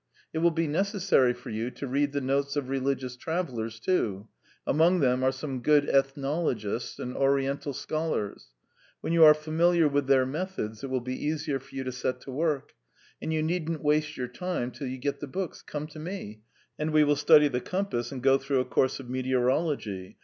It will be necessary for you to read the notes of religious travellers, too; among them are some good ethnologists and Oriental scholars. When you are familiar with their methods, it will be easier for you to set to work. And you needn't waste your time till you get the books; come to me, and we will study the compass and go through a course of meteorology.